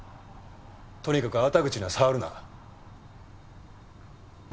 とにかく粟田口には触るな。